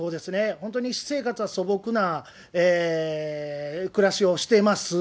本当に私生活は素朴な暮らしをしてます。